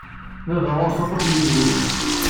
Baba ɣur-s aṭas n yedlisen.